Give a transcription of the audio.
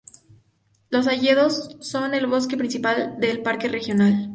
Los hayedos son el bosque principal del Parque Regional.